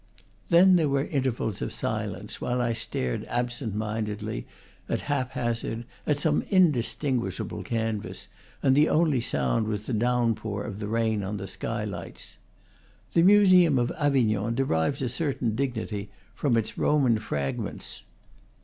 Then there were intervals of silence, while I stared absent mindedly, at hap hazard, at some indis tinguishable canvas, and the only sound was the down pour of the rain on the skylights. The museum of Avignon derives a certain dignity from its Roman frag ments.